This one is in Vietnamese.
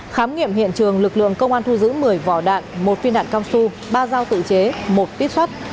khám nghiệm hiện trường lực lượng công an thu giữ một mươi vỏ đạn một phiên đạn cao su ba dao tự chế một tít xuất